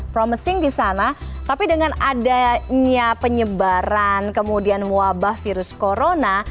promising di sana tapi dengan adanya penyebaran kemudian wabah virus corona